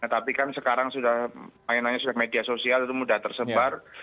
tapi kan sekarang sudah mainannya sudah media sosial itu mudah tersebar